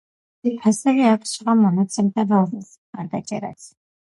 ასევე აქვს სხვა მონაცემთა ბაზის მხარდაჭერაც.